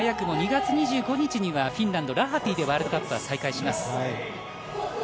２月２５日にフィンランド・ラハティでワールドカップが再開します。